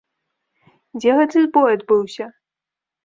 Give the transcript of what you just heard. Дзе гэты збой адбыўся?